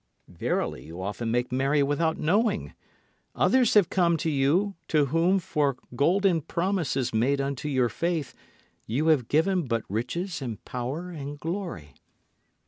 Verily you often make merry without knowing. Others have come to you to whom for golden promises made unto your faith you have given but riches and power and glory.